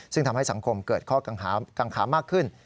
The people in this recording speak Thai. ซึ่งทำให้สังคมเกิดข้อกังขามากขึ้น